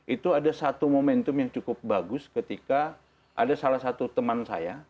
itu ada satu momentum yang cukup bagus ketika ada salah satu teman saya